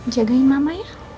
jagain mama ya